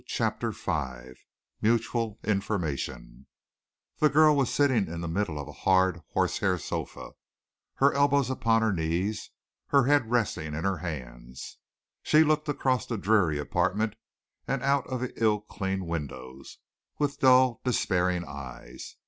CHAPTER V MUTUAL INFORMATION The girl was sitting in the middle of a hard horsehair sofa, her elbows upon her knees, her head resting in her hands. She looked across the dreary apartment and out of the ill cleaned windows, with dull, despairing eyes.